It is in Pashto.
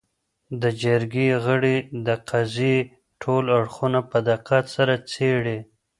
. د جرګې غړي د قضیې ټول اړخونه په دقت سره څېړي